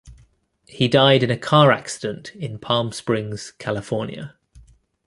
He died in a car accident in Palm Springs, California.